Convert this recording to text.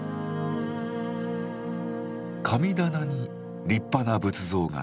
神棚に立派な仏像が。